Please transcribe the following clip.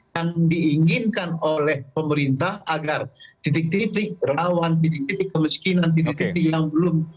yang diinginkan oleh pemerintah agar titik titik rawan titik titik kemiskinan titik titik yang belum